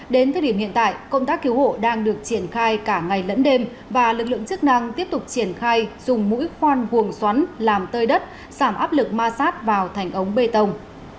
đến thời điểm hiện tại công tác cứu hộ đang được triển khai cả ngày lẫn đêm và lực lượng chức năng tiếp tục triển khai dùng mũi khoan buồng xoắn làm tơi đất giảm áp lực ma sát vào thành ống bê tông